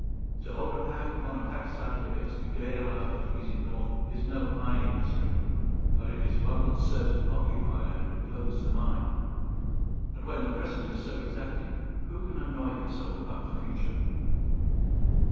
To hold a pack upon a pack saddle against a gale out of the freezing north is no high industry, but it is one that serves to occupy and compose the mind. And when the present is so exacting, who can annoy himself about the future?